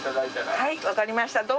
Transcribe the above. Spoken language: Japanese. はいわかりました。